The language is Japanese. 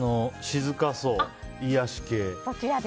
静かそう、癒やし系。